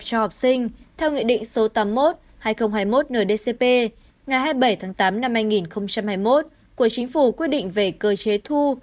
học sinh theo nghị định số tám mươi một hai nghìn hai mươi một ndcp ngày hai mươi bảy tháng tám năm hai nghìn hai mươi một của chính phủ quyết định về cơ chế thu